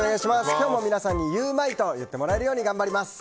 今日も皆さんに、ゆウマいと言ってもらえるように頑張ります。